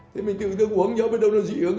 thế mình tự thức uống nhớ với đâu nó dị ứng